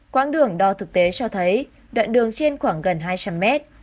quãng đường đo thực tế cho thấy đoạn đường trên khoảng gần hai trăm linh mét